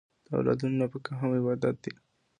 د اولادونو نفقه هم عبادت دی.